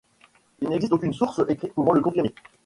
Il n'existe aucune source écrite pouvant le confirmer.